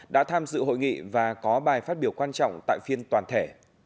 đã tham dự hội nghị và có bài phát biểu quan trọng tại phiên toàn thể